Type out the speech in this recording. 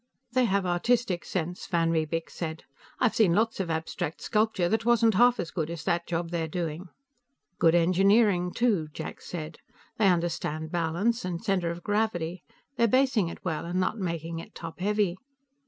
"They have artistic sense," Van Riebeek said. "I've seen lots of abstract sculpture that wasn't half as good as that job they're doing." "Good engineering, too," Jack said. "They understand balance and center of gravity. They're bracing it well, and not making it top heavy."